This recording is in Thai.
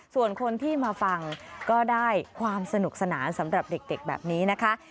ส่วนคนที่มาฟังก็ได้ความสนุกสนานสำหรับเด็กแบบนี้นะคะ